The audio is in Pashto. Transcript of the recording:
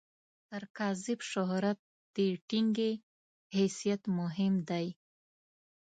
تر کاذب شهرت، د ټنګي حیثیت مهم دی.